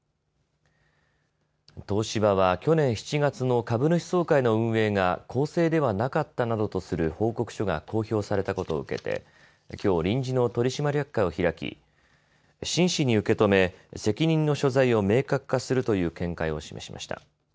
東芝は去年７月の株主総会の運営が公正ではなかったなどとする報告書が公表されたことを受けてきょう臨時の取締役会を開き真摯に受け止め責任の所在を明確化するという見解を示しました。